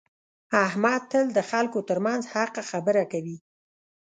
احمد تل د خلکو ترمنځ حقه خبره کوي.